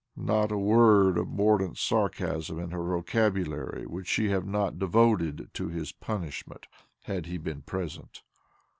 Not a word of mordapt sarcasm in her vocabulary would she not have devoted to his punishing, had he been present.